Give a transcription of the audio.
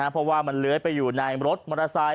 เพราะว่ามันเลื้อยไปอยู่ในรถมอเตอร์ไซค